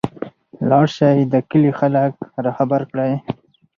لاړشى د کلي خلک راخبر کړى.